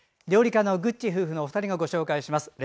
料理家のぐっち夫婦のお二人がご紹介します。